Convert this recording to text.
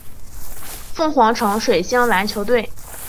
凤凰城水星篮球队。